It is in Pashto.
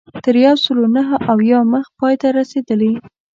تر یو سلو نهه اویا مخ پای ته رسېدلې.